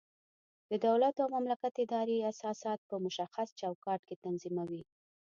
د دولت او مملکت ادارې اساسات په مشخص چوکاټ کې تنظیموي.